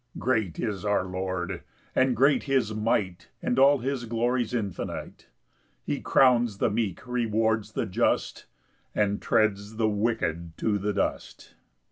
4 Great is our Lord, and great his might; And all his glories infinite: He crowns the meek, rewards the just, And treads the wicked to the dust.